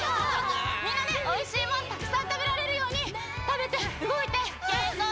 みんなねおいしいもんたくさんたべられるようにたべてうごいてけんこう